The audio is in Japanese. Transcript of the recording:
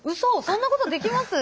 そんなことできます？